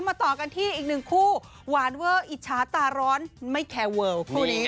ต่อกันที่อีกหนึ่งคู่หวานเวอร์อิจฉาตาร้อนไม่แคร์เวิลคู่นี้